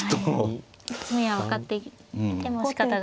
詰みは分かっていてもしかたがないと。